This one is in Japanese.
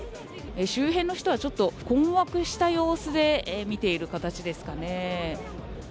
周辺の人はちょっと困惑した様子で見ている形ですかね。